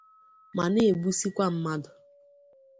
ma na-egbusikwa mmadụ